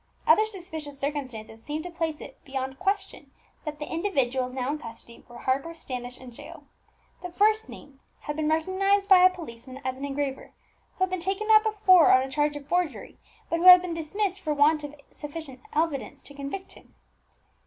Other suspicious circumstances seemed to place it beyond question that the individuals now in custody were Harper, Standish, and Jael. The first named had been recognized by a policeman as an engraver, who had been taken up before on a charge of forgery, but who had been dismissed for want of sufficient evidence to convict him.